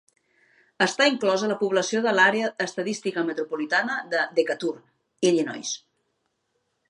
Està inclòs a la població de l'Àrea estadística metropolitana de Decatur, Illinois.